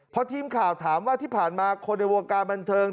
พอทีมข่าวถามว่าที่ผ่านมาคนในวงการบันเทิง